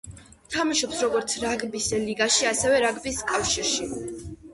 თამაშობს როგორც რაგბის ლიგაში, ასევე რაგბის კავშირში.